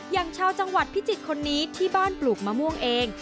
อย่างชาวจังหวัดพิจิตรคนนี้ที่บ้านปลูกมะม่วงเอง